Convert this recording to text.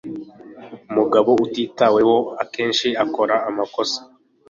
Umugabo utitaweho akenshi akora amakosa.